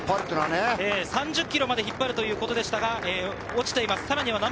３０ｋｍまで引っ張るということでしたが落ちています。